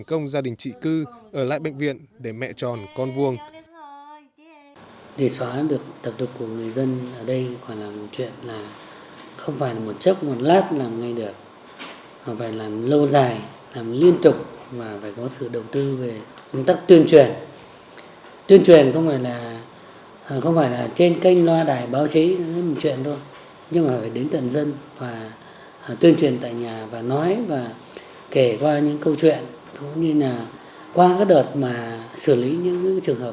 ở lại bệnh viện để mẹ tròn con vuông